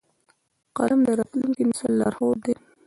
قلم د راتلونکي نسل لارښود دی